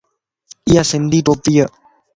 ايا سنڌي ٽوپي ا